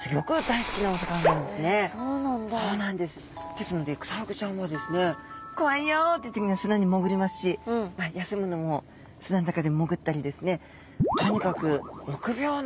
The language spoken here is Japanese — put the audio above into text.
ですのでクサフグちゃんはですね「怖いよ」って時には砂に潜りますし休むのも砂の中で潜ったりですね